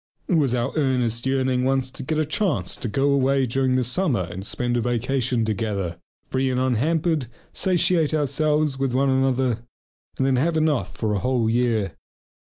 It was our earnest yearning once to get a chance to go away during the summer and spend a vacation together, free and unhampered, satiate ourselves with each other, and then have enough for a whole year.